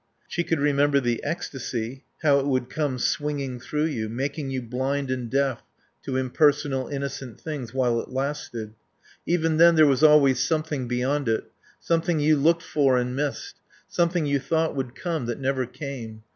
She could remember the ecstasy, how it would come swinging through you, making you blind and deaf to impersonal, innocent things while it lasted. Even then there was always something beyond it, something you looked for and missed, something you thought would come that never came.